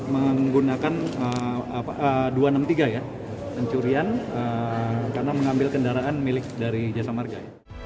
menggunakan a dua ratus enam puluh tiga ya pencurian karena mengambil kendaraan milik dari jasa marga